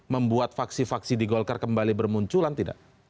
membuat faksi faksi di golkar kembali bermunculan tidak